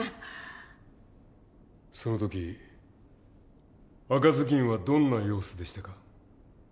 その時赤ずきんはどんな様子でしたか？